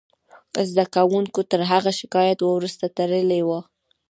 زده کوونکو تر هغه شکایت وروسته تړلې وه